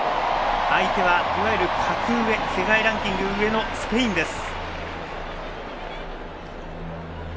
相手はいわゆる格上世界ランキング上のスペインです。